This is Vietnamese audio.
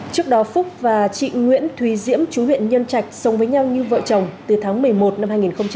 trước đó phúc và chị nguyễn thùy diễm chú huyện nhân trạch sống với nhau như vợ chồng từ tháng một mươi một năm hai nghìn một mươi